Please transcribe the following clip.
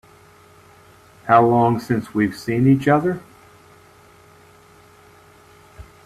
How long since we've seen each other?